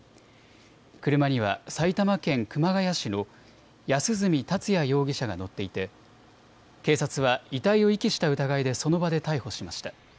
車には埼玉県熊谷市の安栖達也容疑者が乗っていて警察は遺体を遺棄した疑いでその場で逮捕しました。